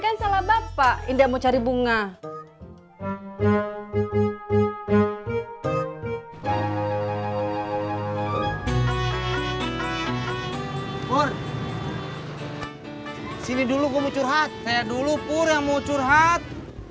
kan salah bapak indah mau cari bunga pur sini dulu gua mau curhat saya dulu pur yang mau curhat